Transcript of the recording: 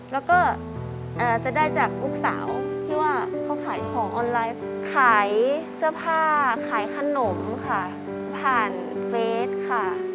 แล้วก็จะได้จากลูกสาวที่ว่าเขาขายของออนไลน์ขายเสื้อผ้าขายขนมค่ะผ่านเฟสค่ะ